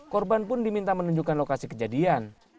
korban pun diminta menunjukkan lokasi kejadian